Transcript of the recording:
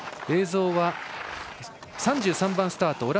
映像は３３番スタート